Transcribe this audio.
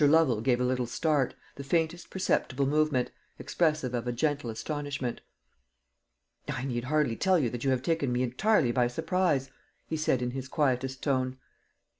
Lovel gave a little start, the faintest perceptible movement, expressive of a gentle astonishment. "I need hardly tell you that you have taken me entirely by surprise," he said in his quietest tone.